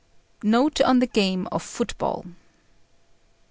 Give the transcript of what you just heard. NOTE ON THE GAME OF FOOTBALL.